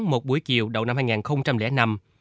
một buổi chiều đầu năm hai nghìn năm